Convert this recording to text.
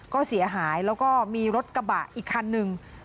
ก็เสียหายแล้วก็มีรถกระบะอีกคันหนึ่ง